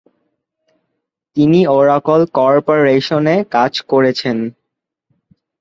তিনি ওরাকল কর্পোরেশনে কাজ করেছেন।